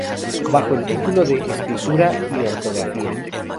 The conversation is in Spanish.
Bajo el título de "Escritura y ortografía".